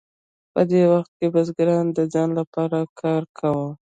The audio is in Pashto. په دې وخت کې بزګرانو د ځان لپاره کار کاوه.